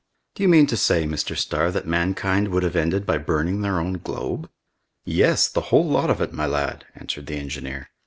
"Do you mean to say, Mr. Starr, that mankind would have ended by burning their own globe?" "Yes! The whole of it, my lad," answered the engineer.